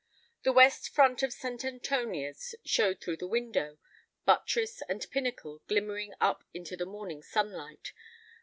The west front of St. Antonia's showed through the window, buttress and pinnacle glimmering up into the morning sunlight.